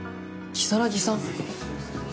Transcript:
・如月さん？